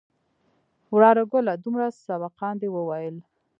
وراره گله دومره سبقان دې وويل.